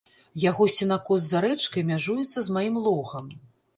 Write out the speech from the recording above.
Яго сенакос за рэчкай мяжуецца з маім логам.